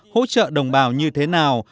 hỗ trợ đồng bào như thế nào